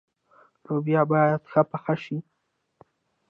لوبیا باید ښه پخه شي.